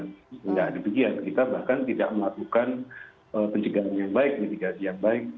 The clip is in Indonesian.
tidak demikian kita bahkan tidak melakukan pencegahan yang baik mitigasi yang baik